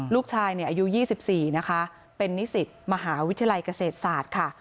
ลูกชายอายุ๒๔เป็นนิสิทธิ์มหาวิทยาลัยเกษตรสาธค่ะ